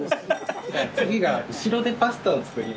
次が後ろでパスタを作ります。